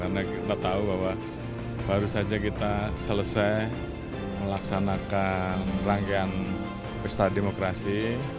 karena kita tahu bahwa baru saja kita selesai melaksanakan rangkaian pesta demokrasi